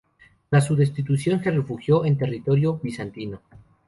Tras su destitución, se refugió en territorio bizantino.